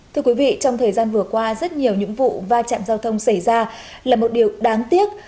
thưa quý vị trong thời gian vừa qua rất nhiều những vụ va chạm giao thông xảy ra là một điều đáng tiếc